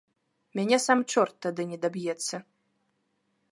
Мяне сам чорт тады не даб'ецца.